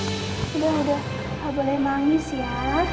udah udah gak boleh nangis ya